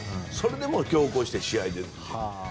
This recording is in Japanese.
それでも強行して試合出て。